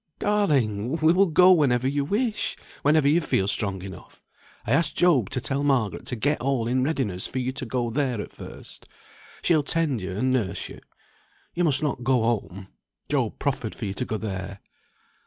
"Darling! we will go whenever you wish; whenever you feel strong enough. I asked Job to tell Margaret to get all in readiness for you to go there at first. She'll tend you and nurse you. You must not go home. Job proffered for you to go there."